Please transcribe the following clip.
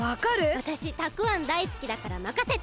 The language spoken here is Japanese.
わたしたくあんだいすきだからまかせて！